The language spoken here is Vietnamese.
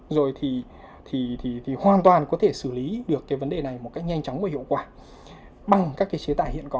rồi thì hoàn toàn có thể xử lý được cái vấn đề này một cách nhanh chóng và hiệu quả bằng các cái chế tài hiện có